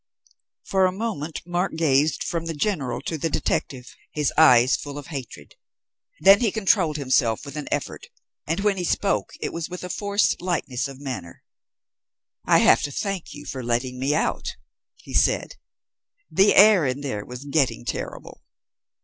For a moment Mark gazed from the General to the detective, his eyes full of hatred. Then he controlled himself with an effort, and when he spoke it was with a forced lightness of manner. "I have to thank you for letting me out," he said. "The air in there was getting terrible."